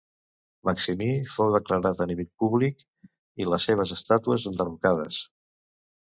Maximí fou declarat enemic públic i les seves estàtues enderrocades.